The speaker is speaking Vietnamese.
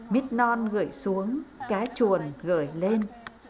mít non gửi xuống cá chuồn gửi lên